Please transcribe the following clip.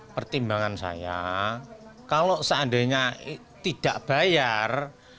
pertimbangan saya kalau seandainya tidak bayar